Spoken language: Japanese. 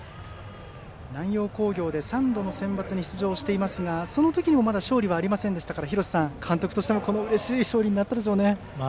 南陽工業で３度のセンバツに出場していますがその時にもまだ勝利がなかったので廣瀬さん、監督としてもうれしい勝利となったでしょうね。